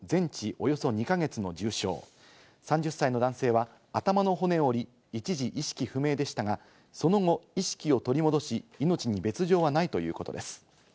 およそ２か月の重傷、３０歳の男性は頭の骨を折り、一時意識不明でしたが、その後、意識を取り戻し、命に別条はないということです。